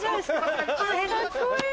かっこいい。